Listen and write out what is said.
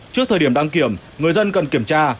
trước thời điểm đăng kiểm người dân cần kiểm tra